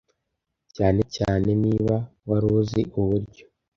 cyane cyane niba wari uzi uburyo